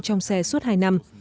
trong xe suốt hai năm